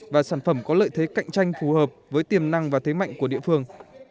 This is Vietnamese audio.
và sản phẩm có lợi thế cạnh tranh phù hợp với tiềm năng và thế mạnh của địa phương